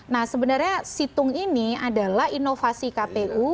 nah sebenarnya situng ini adalah inovasi kpu